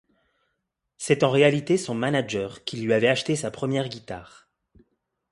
C'est en réalité son manager qui lui avait acheté sa première guitare.